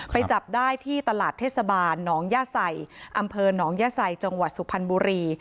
จับได้ที่ตลาดเทศบาลหนองย่าใส่อำเภอหนองย่าใส่จังหวัดสุพรรณบุรี